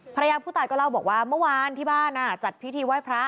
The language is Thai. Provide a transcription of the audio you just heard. ภรรยาผู้ตายก็เล่าบอกว่าเมื่อวานที่บ้านจัดพิธีไหว้พระ